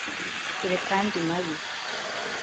kure kandi mabi